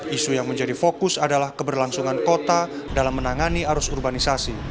isu yang menjadi fokus adalah keberlangsungan kota dalam menangani arus urbanisasi